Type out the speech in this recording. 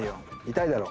痛いだろ。